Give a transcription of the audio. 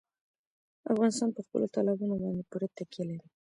افغانستان په خپلو تالابونو باندې پوره تکیه لري.